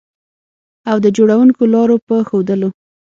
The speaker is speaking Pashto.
او د جوړوونکو لارو په ښودلو